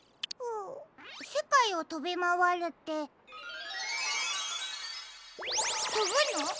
せかいをとびまわるってとぶの？